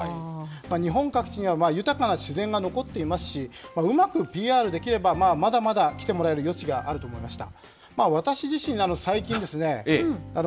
日本各地には、豊かな自然が残っていますし、うまくＰＲできれば、まだまだ来てもらえる余地があると思いました。